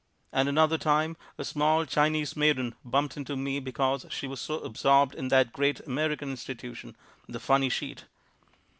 And another time a small Chinese maiden bumped into me because she was so absorbed in that great American institution, the funny sheet.